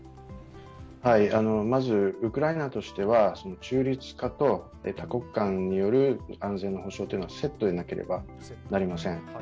まずウクライナとしては中立化と多国間による安全の保障がセットでなければなりません。